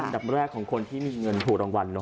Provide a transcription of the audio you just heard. ดับแรกของคนที่มีเงินถูกรางวัลเนอ